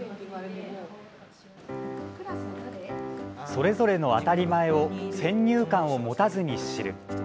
それぞれの当たり前を先入観を持たずに知る。